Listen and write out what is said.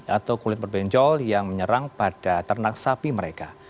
atau kulit berbenjol yang menyerang pada ternak sapi mereka